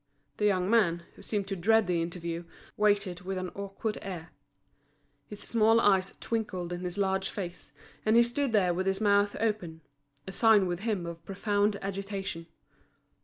The young man, who seemed to dread the interview, waited with an awkward air. His small eyes twinkled in his large face, and he stood there with his mouth open—a sign with him of profound agitation.